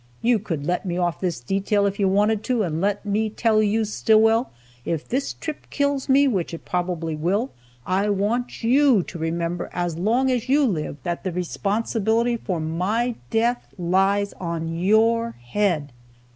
You could let me off this detail, if you wanted to, and let me tell you, Stillwell, if this trip kills me, which it probably will, I want you to remember, as long as you live, that the responsibility for my death lies on your head!"